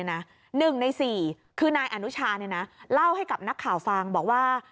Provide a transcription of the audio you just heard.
๑ใน๔คือนายอนุชาเนี่ยนะเล่าให้กับนักข่าวฟังบอกว่า